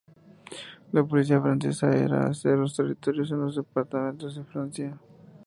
La política francesa era hacer los territorios en los departamentos de Francia.